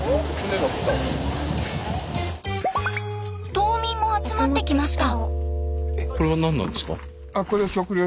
島民も集まってきました。